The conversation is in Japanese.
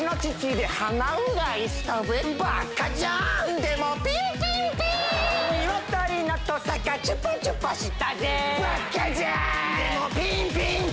でもピンピンピン